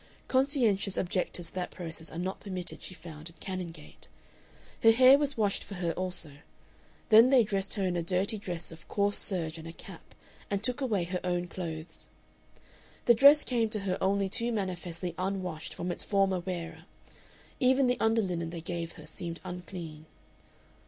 Conscientious objectors to that process are not permitted, she found, in Canongate. Her hair was washed for her also. Then they dressed her in a dirty dress of coarse serge and a cap, and took away her own clothes. The dress came to her only too manifestly unwashed from its former wearer; even the under linen they gave her seemed unclean.